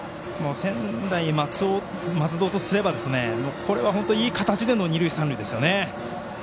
専大松戸とすれば、これは本当にいい形での二塁三塁ですね。